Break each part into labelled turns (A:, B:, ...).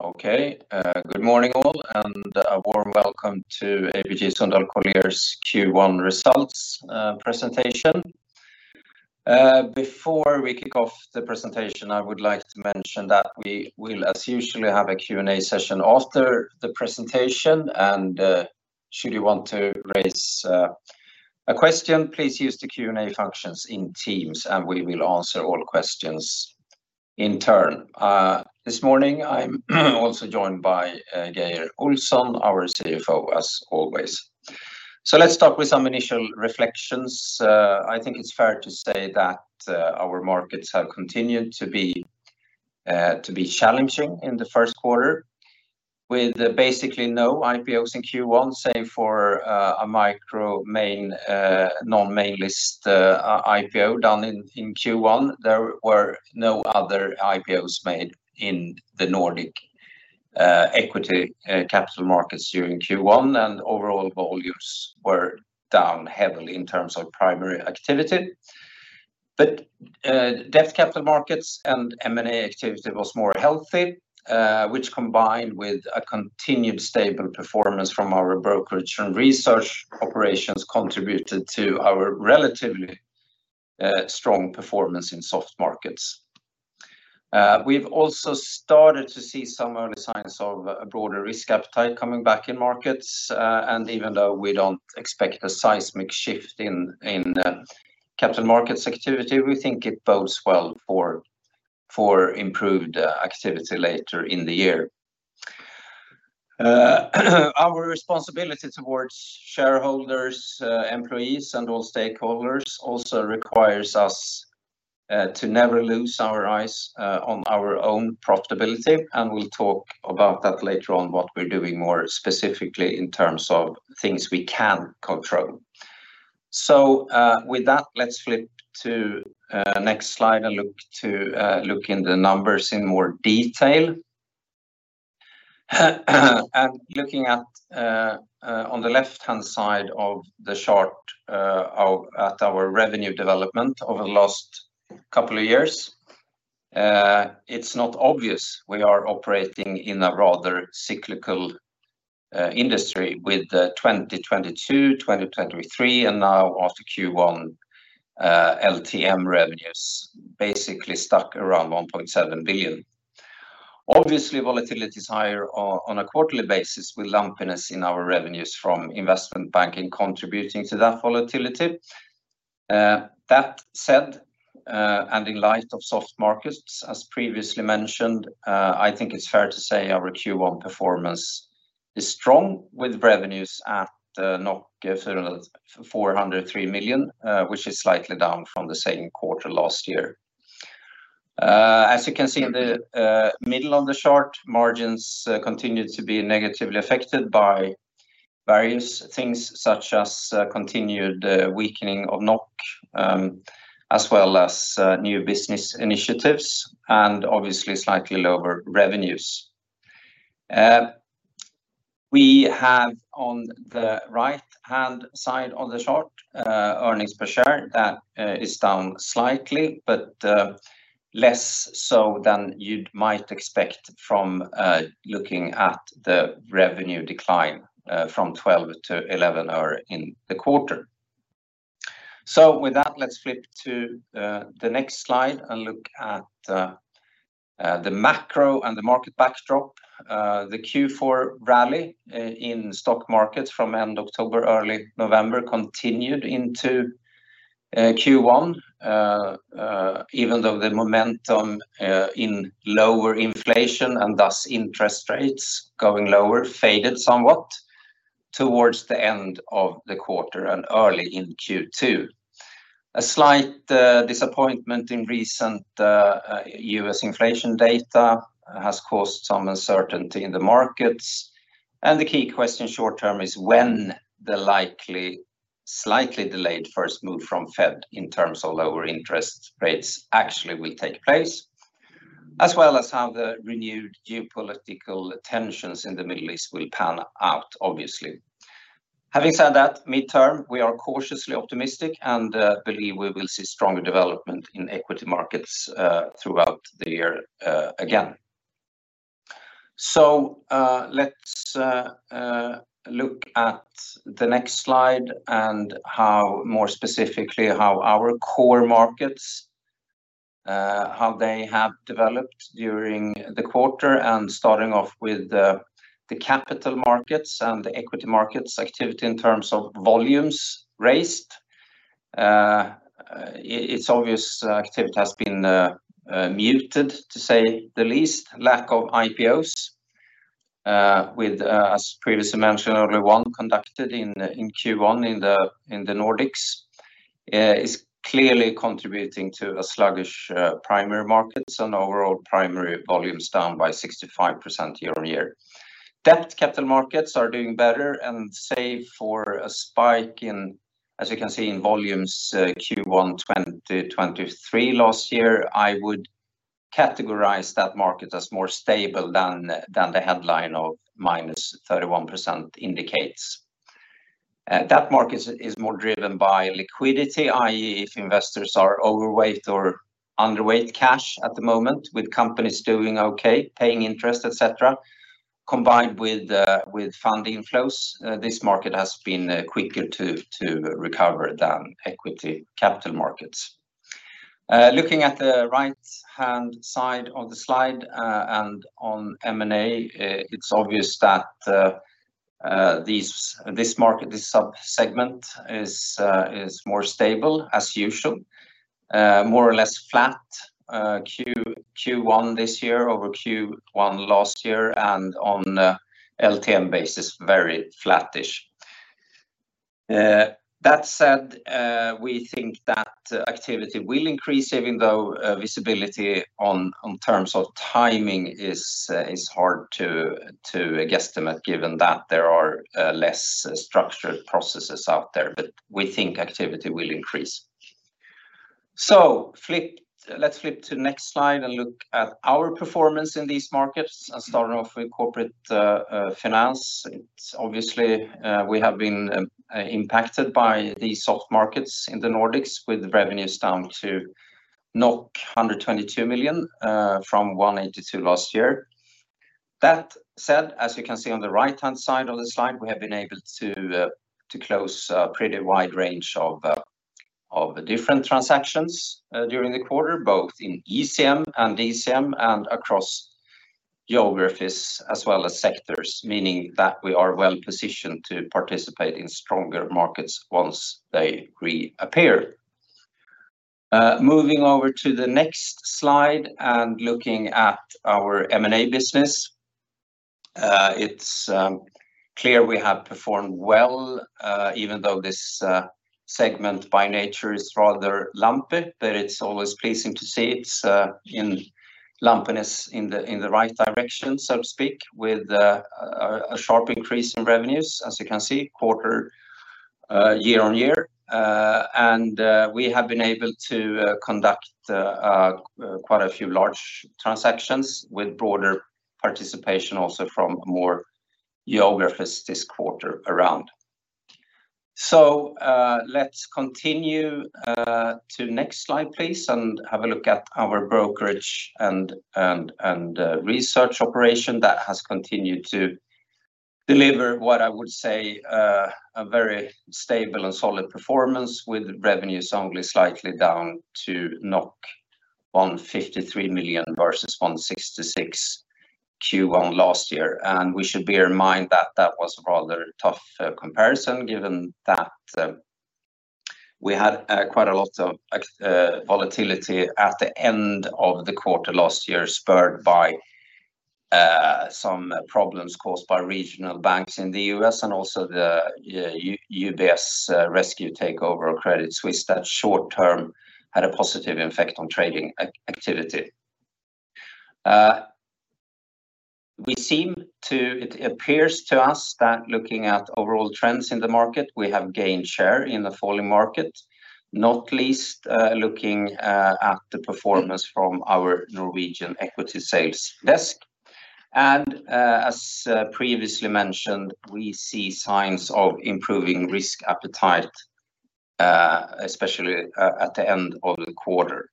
A: Okay, good morning all, and a warm welcome to ABG Sundal Collier's Q1 results presentation. Before we kick off the presentation, I would like to mention that we will, as usual, have a Q&A session after the presentation, and, should you want to raise, a question, please use the Q&A functions in Teams and we will answer all questions in turn. This morning I'm also joined by Geir Olsen, our CFO, as always. So let's start with some initial reflections. I think it's fair to say that our markets have continued to be challenging in the first quarter, with basically no IPOs in Q1, save for a micro cap, non-Main List IPO done in Q1. There were no other IPOs made in the Nordic equity capital markets during Q1, and overall volumes were down heavily in terms of primary activity. But debt capital markets and M&A activity was more healthy, which combined with a continued stable performance from our brokerage and research operations contributed to our relatively strong performance in soft markets. We've also started to see some early signs of a broader risk appetite coming back in markets, and even though we don't expect a seismic shift in capital markets activity, we think it bodes well for improved activity later in the year. Our responsibility towards shareholders, employees, and all stakeholders also requires us to never lose our eyes on our own profitability, and we'll talk about that later on, what we're doing more specifically in terms of things we can control. So, with that, let's flip to next slide and look to look in the numbers in more detail. Looking at the left-hand side of the chart of our revenue development over the last couple of years, it's not obvious we are operating in a rather cyclical industry with 2022, 2023, and now after Q1, LTM revenues basically stuck around 1.7 billion. Obviously, volatility is higher on a quarterly basis with lumpiness in our revenues from investment banking contributing to that volatility. That said, and in light of soft markets, as previously mentioned, I think it's fair to say our Q1 performance is strong with revenues at 403 million, which is slightly down from the same quarter last year. As you can see in the middle of the chart, margins continue to be negatively affected by various things such as continued weakening of NOK, as well as new business initiatives, and obviously slightly lower revenues. We have on the right-hand side of the chart, earnings per share that is down slightly, but less so than you'd might expect from looking at the revenue decline, from 12 to 11 in the quarter. So with that, let's flip to the next slide and look at the macro and the market backdrop. The Q4 rally in stock markets from end October, early November continued into Q1, even though the momentum in lower inflation and thus interest rates going lower faded somewhat towards the end of the quarter and early in Q2. A slight disappointment in recent U.S. inflation data has caused some uncertainty in the markets, and the key question short term is when the likely, slightly delayed first move from Fed in terms of lower interest rates actually will take place, as well as how the renewed geopolitical tensions in the Middle East will pan out, obviously. Having said that, midterm we are cautiously optimistic and believe we will see stronger development in equity markets throughout the year, again. So, let's look at the next slide and how more specifically how our core markets, how they have developed during the quarter and starting off with the capital markets and the equity markets activity in terms of volumes raised. It's obvious activity has been muted to say the least. Lack of IPOs, with, as previously mentioned, only one conducted in Q1 in the Nordics, is clearly contributing to a sluggish primary markets and overall primary volumes down by 65% year-on-year. Debt capital markets are doing better and save for a spike in, as you can see, in volumes Q1 2023 last year. I would categorize that market as more stable than the headline of -31% indicates. Debt markets is more driven by liquidity, i.e., if investors are overweight or underweight cash at the moment with companies doing OK, paying interest, etc., combined with fund inflows, this market has been quicker to recover than equity capital markets. Looking at the right-hand side of the slide, and on M&A, it's obvious that this market, this subsegment is more stable as usual, more or less flat, Q1 this year over Q1 last year and on LTM basis very flattish. That said, we think that activity will increase even though visibility on terms of timing is hard to guesstimate given that there are less structured processes out there, but we think activity will increase. Let's flip to the next slide and look at our performance in these markets and starting off with corporate finance. It's obviously we have been impacted by these soft markets in the Nordics with revenues down to 122 million from 182 million last year. That said, as you can see on the right-hand side of the slide, we have been able to close a pretty wide range of different transactions during the quarter, both in ECM and DCM and across geographies as well as sectors, meaning that we are well positioned to participate in stronger markets once they reappear. Moving over to the next slide and looking at our M&A business. It's clear we have performed well, even though this segment by nature is rather lumpy, but it's always pleasing to see its lumpiness in the right direction, so to speak, with a sharp increase in revenues, as you can see, quarter year-on-year. And we have been able to conduct quite a few large transactions with broader participation also from more geographies this quarter around. So, let's continue to the next slide, please, and have a look at our brokerage and research operation that has continued to deliver what I would say a very stable and solid performance with revenues only slightly down to 153 million versus 166 million Q1 last year. And we should bear in mind that that was a rather tough comparison given that we had quite a lot of volatility at the end of the quarter last year spurred by some problems caused by regional banks in the US and also the UBS Rescue takeover of Credit Suisse that short term had a positive effect on trading activity. We seem to, it appears to us that looking at overall trends in the market, we have gained share in the falling market, not least looking at the performance from our Norwegian equity sales desk. As previously mentioned, we see signs of improving risk appetite, especially at the end of the quarter.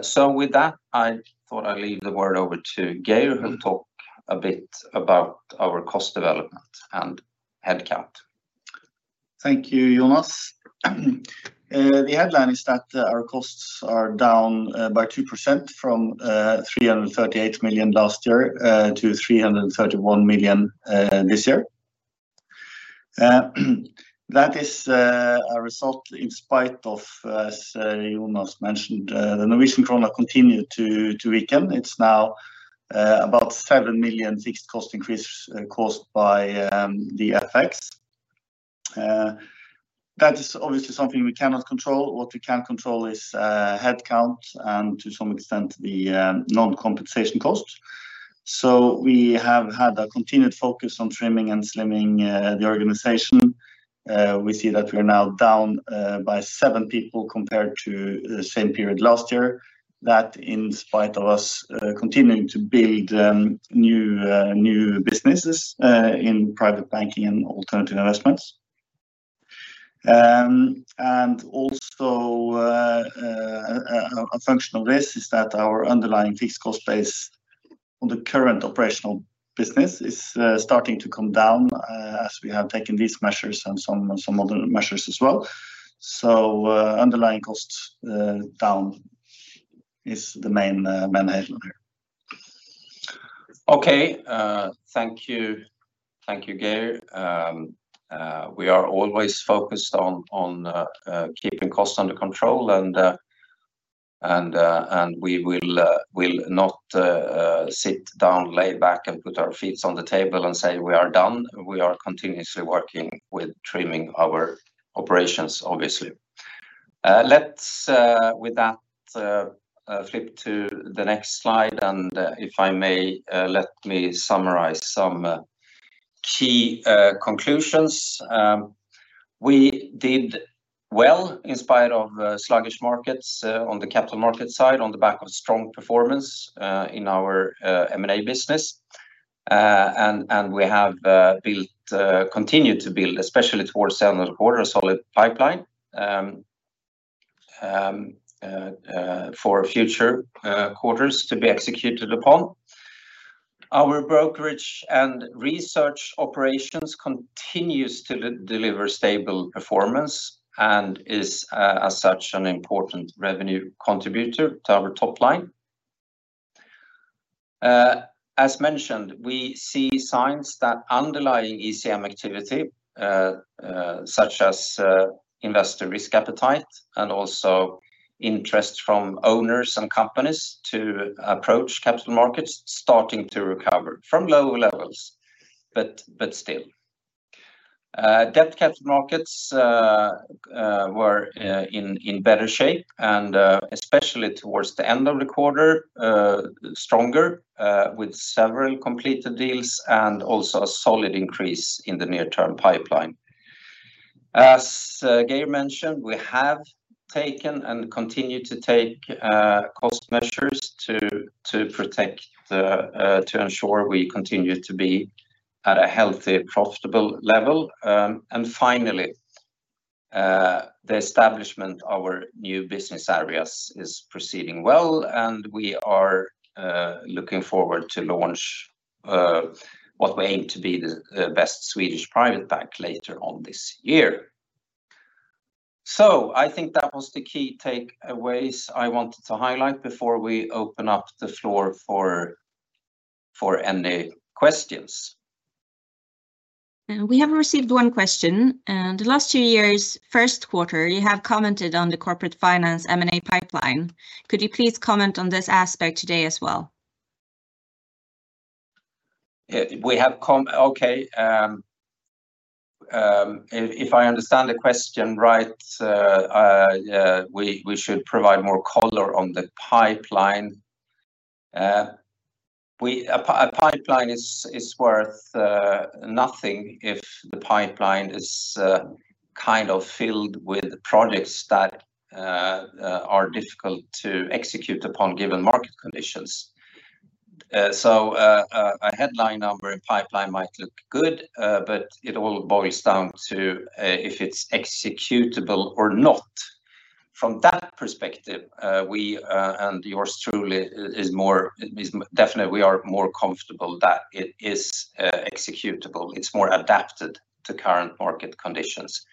A: So with that, I thought I'd leave the word over to Geir who'll talk a bit about our cost development and headcount.
B: Thank you, Jonas. The headline is that our costs are down by 2% from 338 million last year to 331 million this year. That is a result in spite of, as Jonas mentioned, the Norwegian krone continued to weaken. It's now about 7 million fixed cost increases caused by the FX. That is obviously something we cannot control. What we can control is headcount and to some extent the non-compensation cost. So we have had a continued focus on trimming and slimming the organization. We see that we are now down by seven people compared to the same period last year. That in spite of us continuing to build new businesses in private banking and alternative investments. Also, a function of this is that our underlying fixed cost base on the current operational business is starting to come down, as we have taken these measures and some other measures as well. So, underlying costs down is the main headline here.
A: Okay. Thank you. Thank you, Geir. We are always focused on keeping costs under control and we will not sit down, lay back and put our feet on the table and say we are done. We are continuously working with trimming our operations, obviously. Let's, with that, flip to the next slide. And if I may, let me summarize some key conclusions. We did well in spite of sluggish markets on the capital market side on the back of strong performance in our M&A business. And we have continued to build, especially towards the end of the quarter, a solid pipeline for future quarters to be executed upon. Our brokerage and research operations continues to deliver stable performance and is, as such, an important revenue contributor to our top line. As mentioned, we see signs that underlying ECM activity, such as investor risk appetite and also interest from owners and companies to approach capital markets, starting to recover from lower levels, but still. Debt capital markets were in better shape and, especially towards the end of the quarter, stronger, with several completed deals and also a solid increase in the near-term pipeline. As Geir mentioned, we have taken and continue to take cost measures to protect, to ensure we continue to be at a healthy, profitable level. And finally, the establishment of our new business areas is proceeding well and we are looking forward to launch what we aim to be the best Swedish private bank later on this year. So I think that was the key takeaways I wanted to highlight before we open up the floor for any questions.
C: We have received one question. The last two years, first quarter, you have commented on the corporate finance M&A pipeline. Could you please comment on this aspect today as well?
A: We have commented. Okay. If I understand the question right, we should provide more color on the pipeline. A pipeline is worth nothing if the pipeline is kind of filled with projects that are difficult to execute upon given market conditions. A headline number in pipeline might look good, but it all boils down to if it's executable or not. From that perspective, we and yours truly is more definitely we are more comfortable that it is executable. It's more adapted to current market conditions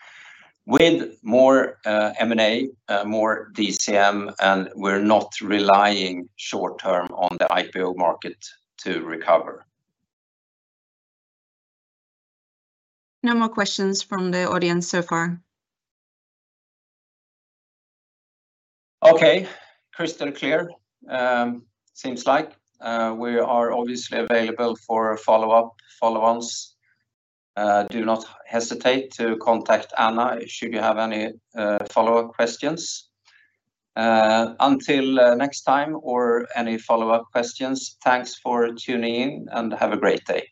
A: with more M&A, more DCM, and we're not relying short term on the IPO market to recover.
C: No more questions from the audience so far.
A: Okay. Crystal clear. Seems like we are obviously available for follow-up, follow-ons. Do not hesitate to contact Anna should you have any follow-up questions. Until next time or any follow-up questions, thanks for tuning in and have a great day.